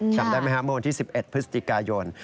จำได้ไหมครับมที่๑๑พฤศจิกายน